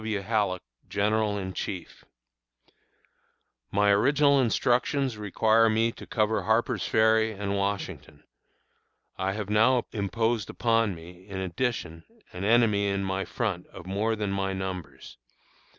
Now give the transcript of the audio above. W. Halleck, General in Chief_: My original instructions require me to cover Harper's Ferry and Washington. I have now imposed upon me, in addition, an enemy in my front of more than my numbers.